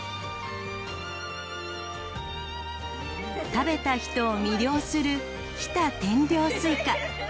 食べた人を魅了する日田天領スイカ。